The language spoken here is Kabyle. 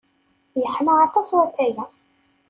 Yeḥma aṭas watay-a.